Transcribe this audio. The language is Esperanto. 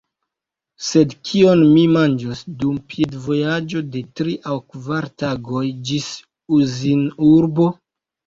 Sed kion mi manĝos dum piedvojaĝo de tri aŭ kvar tagoj ĝis Uzinurbo?